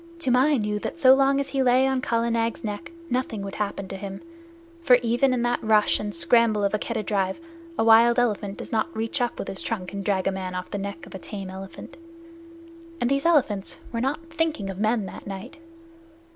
Toomai knew that so long as he lay still on Kala Nag's neck nothing would happen to him, for even in the rush and scramble of a Keddah drive a wild elephant does not reach up with his trunk and drag a man off the neck of a tame elephant. And these elephants were not thinking of men that night.